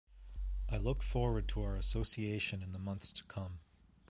I look forward to our association in the months to come.